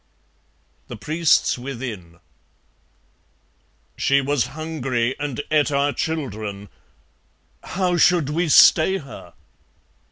(The Priests within) She was hungry and ate our children; how should we stay Her?